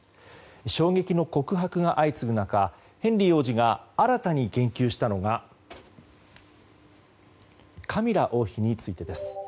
衝撃の告白が相次ぐ中ヘンリー王子が新たに言及したのがカミラ王妃についてです。